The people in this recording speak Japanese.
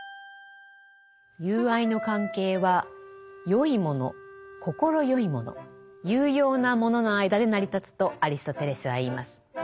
友愛の関係は善いもの快いもの有用なものの間で成り立つとアリストテレスは言います。